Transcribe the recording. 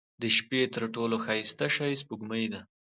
• د شپې تر ټولو ښایسته شی سپوږمۍ ده.